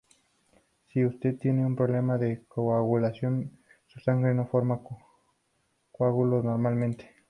Si usted tiene un problema de coagulación, su sangre no forma coágulos normalmente.